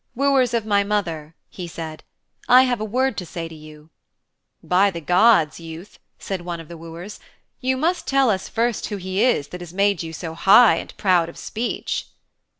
'Wooers of my mother,' he said, 'I have a word to say to you.' 'By the gods, youth,' said one of the wooers, 'you must tell us first who he is who has made you so high and proud of speech.'